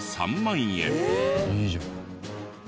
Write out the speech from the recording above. いいじゃん。